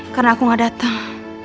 karena aku gak dateng